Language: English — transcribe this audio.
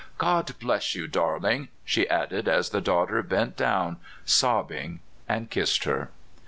God bless you, darling!" she added as the daughter bent down sobbing and kissed her.